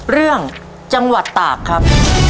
เรื่องจังหวัดตากครับ